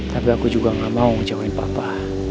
tapi aku juga gak mau ngecewain papa